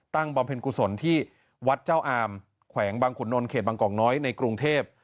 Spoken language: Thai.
บำเพ็ญกุศลที่วัดเจ้าอามแขวงบางขุนนลเขตบางกอกน้อยในกรุงเทพ